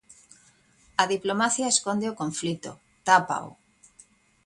A diplomacia esconde o conflito, tápao.